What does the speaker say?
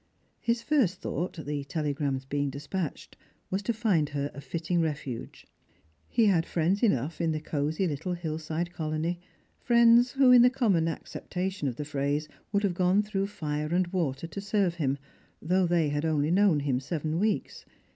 His first thought, the telegrams being despatched, was to find her a fitting refuge. He had friends enough in the cosy httle hill side colony, friends who, in the common accepta tion of the phrase, would have gone through fire and water to serve him, though they had only known him seven weeks.